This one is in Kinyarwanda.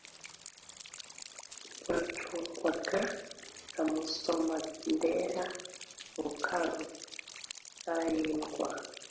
rwacungwaga na Musomandera muka Rutalindwa,